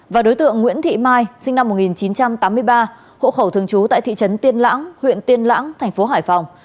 và đối tượng nguyễn thị mai sinh năm một nghìn chín trăm tám mươi ba hộ khẩu thường trú tại thị trấn tiên lãng huyện tiên lãng thành phố hải phòng